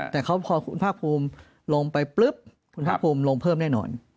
แต่เขาพอคุณภาคภูมิลงไปปุ๊บคุณภาคภูมิลงเพิ่มแน่นอน